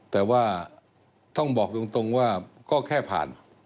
แต่ว่าต้องบอกตรงว่าก็แค่ผ่าน